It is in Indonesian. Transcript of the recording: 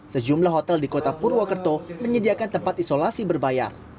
sejumlah hotel di kota purwokerto menyediakan tempat isolasi berbayar